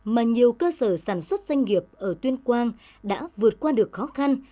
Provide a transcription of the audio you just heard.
mà nhiều cơ sở sản xuất doanh nghiệp ở tuyên quang đã vượt qua được khó khăn